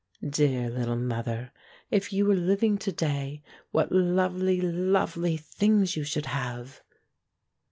Dear little mother, if you were living to day, what lovely, lovely things you should have